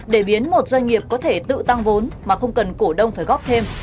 để biến một doanh nghiệp có thể tự tăng vốn mà không cần cổ đông phải góp thêm